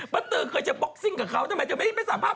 ปะตือเคยใช้บ็อกซิงกับเขาทำไมจะไม่ได้ไปสามารถ